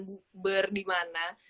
bookber di mana